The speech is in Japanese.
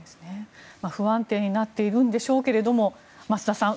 不安定になっているんでしょうけれども増田さん